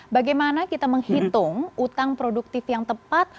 bagaimana kita menghitung utang produktif yang tepat